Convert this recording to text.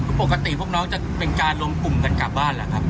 ปกติพวกน้องจะเป็นการรวมกลุ่มกันกลับบ้านหรือครับ